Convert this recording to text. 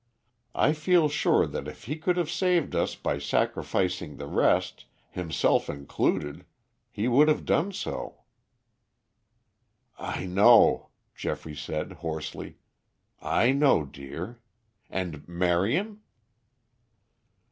I feel sure that if he could have saved us by sacrificing the rest, himself included, he would have done so." "I know," Geoffrey said hoarsely. "I know, dear. And Marion?"